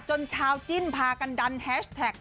จนชาวจิ้นพากันดันแฮชแท็ก